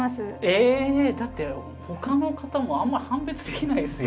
えだってほかの方もあんま判別できないですよ。